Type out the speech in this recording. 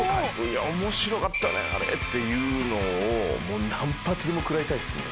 面白かったね！っていうのを何発でも食らいたいっすね。